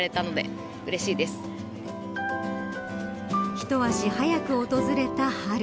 一足早く訪れた春。